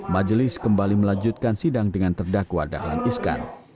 majelis kembali melanjutkan sidang dengan terdakwa dahlan iskan